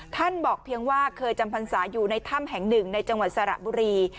บอกเพียงว่าเคยจำพรรษาอยู่ในถ้ำแห่งหนึ่งในจังหวัดสระบุรี